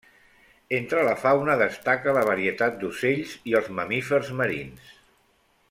Entre la fauna destaca la varietat d’ocells i els mamífers marins.